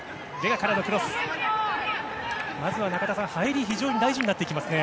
まずは中田さん、入りが非常に大事になってきますね。